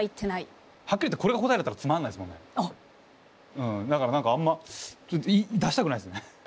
うんだから何かあんま出したくないっすね。